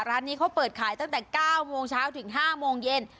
ร้านนี้เขาเปิดขายตั้งแต่๙โมงเช้าถึง๕โมงเย็น